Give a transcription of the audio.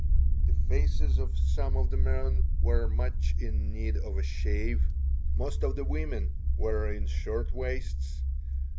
The faces of some of the men were much in need of a shave. Most of the women were in shirt waists.